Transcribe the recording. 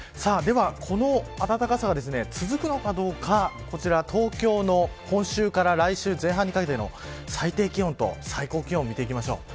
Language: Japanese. では、この暖かさが続くのかどうかこちら東京の今週から来週前半にかけての最低気温と最高気温を見ていきます。